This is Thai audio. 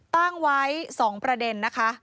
ตั้งไว้๒ประเด็น